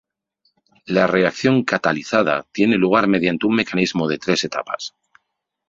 La reacción catalizada tiene lugar mediante un mecanismo de tres etapas.